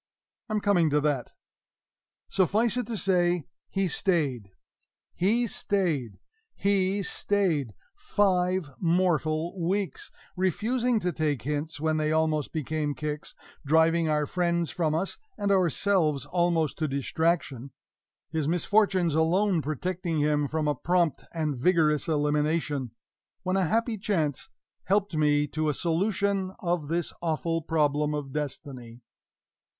I'm coming to that. Suffice it to say, he stayed he stayed he STAYED! five mortal weeks; refusing to take hints when they almost became kicks; driving our friends from us, and ourselves almost to distraction; his misfortunes alone protecting him from a prompt and vigorous elimination; when a happy chance helped me to a solution of this awful problem of destiny.